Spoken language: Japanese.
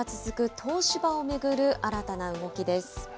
東芝を巡る新たな動きです。